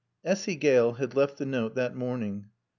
Essy Gale had left the note that morning.